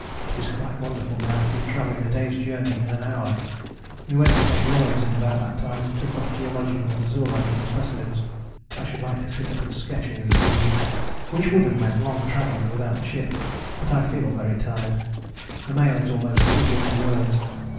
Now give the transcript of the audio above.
It is quite wonderful now to be travelling a day's journey in an hour: we went to Cape Royds in about that time and took off geological and zoological specimens. I should like to sit up and sketch all these views, which would have meant long travelling without the ship, but I feel very tired. The mail is almost too good for words.